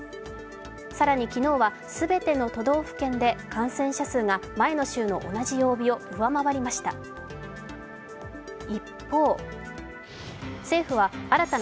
更に昨日は全ての都道府県で感染者数が前の週の同じ曜日を上回りました。